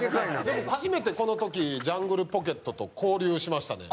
でも初めてその時ジャングルポケットと交流しましたね。